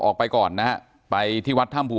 การแก้เคล็ดบางอย่างแค่นั้นเอง